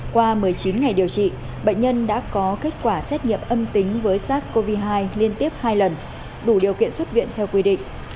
qua một mươi chín ngày điều trị bệnh nhân đã có kết quả xét nghiệm âm tính với sars cov hai liên tiếp hai lần đủ điều kiện xuất viện theo quy định